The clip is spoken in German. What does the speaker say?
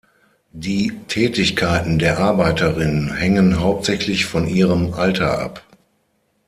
Die Tätigkeiten der Arbeiterin hängen hauptsächlich von ihrem Alter ab.